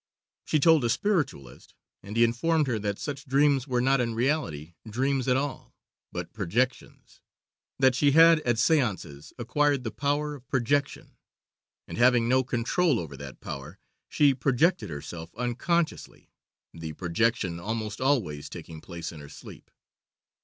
She told a spiritualist, and he informed her that such dreams were not in reality dreams at all, but projections that she had, at séances, acquired the power of projection; and, having no control over that power, she projected herself unconsciously, the projection almost always taking place in her sleep.